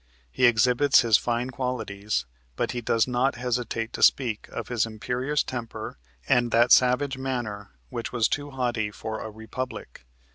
He exhibits his fine qualities, but he does not hesitate to speak of his "imperious temper and that savage manner which was too haughty for a republic."